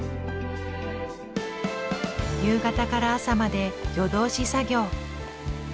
夕方から朝まで夜通し作業。